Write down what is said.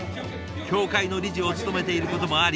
協会の理事を務めていることもあり